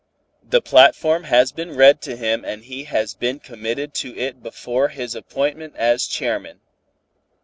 "The platform has been read to him and he has been committed to it before his appointment as chairman.